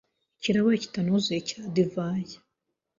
ikirahure kitanuzuye cya divayi